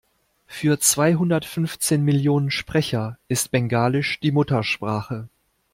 Für zweihundertfünfzehn Millionen Sprecher ist Bengalisch die Muttersprache.